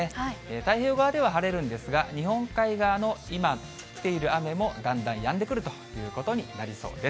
太平洋側では晴れるんですが、日本海側の今降っている雨もだんだんやんでくるということになりそうです。